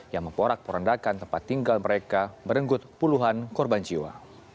yang memporak porandakan tempat tinggal mereka merenggut puluhan korban jiwa